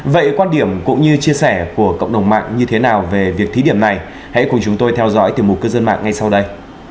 vậy quan điểm cũng như chia sẻ của cộng đồng mạng như thế nào về việc thí điểm này hãy cùng chúng tôi theo dõi tiểu mục cư dân mạng ngay sau đây